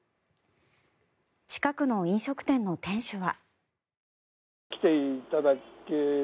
近くの飲食店の店主は。